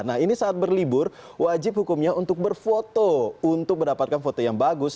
nah ini saat berlibur wajib hukumnya untuk berfoto untuk mendapatkan foto yang bagus